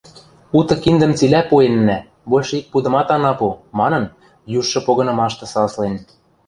— Уты киндӹм цилӓ пуэннӓ, большы ик пудымат ана пу, — манын, южшы погынымашты саслен.